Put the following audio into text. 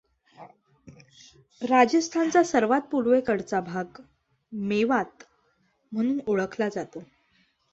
राजस्थानचा सर्वात पूर्वेकडचा भाग मेवात म्हणून ओळखला जातो.